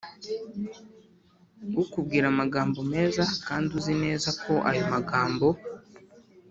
Ukubwira amagambo meza kandi uzi neza ko ayo magambo